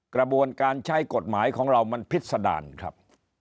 กระบวนการใช้กฎหมายของเรามันพิษดารครับ